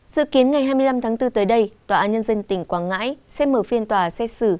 dự kiến ngày hai mươi năm tháng bốn tới đây tòa án nhân dân tỉnh quảng ngãi sẽ mở phiên tòa xét xử